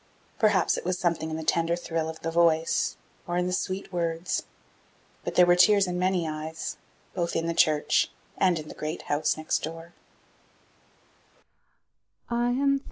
Perhaps it was something in the tender thrill of the voice, or in the sweet words, but there were tears in many eyes, both in the church and in the great house next door.